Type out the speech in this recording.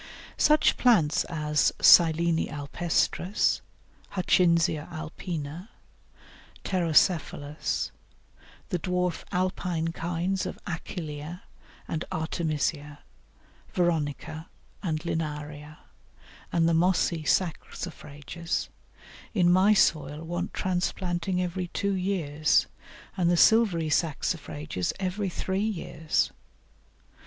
Such plants as Silene alpestris, Hutchinsia alpina, Pterocephalus, the dwarf alpine kinds of Achillea and Artemisia, Veronica and Linaria, and the mossy Saxifrages, in my soil want transplanting every two years, and the silvery Saxifrages every three years.